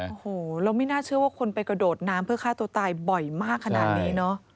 โอ้โหเราไม่น่าเชื่อว่าคนไปกระโดดน้ำเพื่อฆ่าตัวตายบ่อยมากขนาดนี้เนอะ